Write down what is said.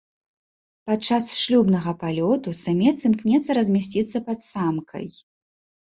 Падчас шлюбнага палёту самец імкнецца размясціцца пад самкай.